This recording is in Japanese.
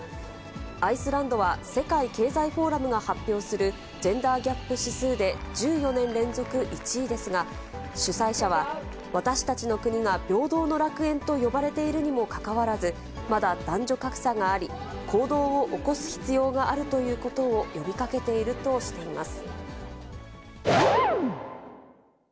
アイスランドは、世界経済フォーラムが発表するジェンダーギャップ指数で１４年連続１位ですが、主催者は、私たちの国が平等の楽園と呼ばれているにもかかわらず、まだ男女格差があり、行動を起こす必要があるということを呼びかけているとしています。